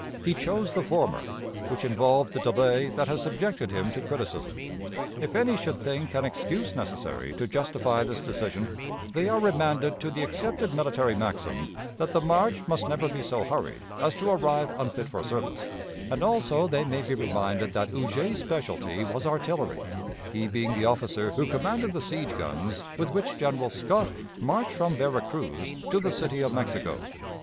He chose the former, which involved the delay that has subjected him to criticism. If any should think an excuse necessary to justify this decision, they are remanded to the accepted military maxim, that the march must never be so hurried as to arrive unfit for service; and, also, they may be reminded that Huger's specialty was artillery, he being the officer who commanded the siege guns with which General Scott marched from Vera Cruz to the city of Mexico.